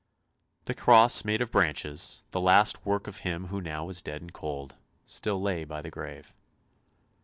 The cross made of branches, the last work of him who now was dead and cold, still lay by the grave.